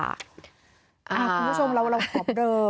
คุณผู้ชมเราขอเบลอ